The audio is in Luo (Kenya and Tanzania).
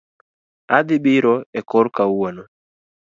Adhi biro e kor kawuono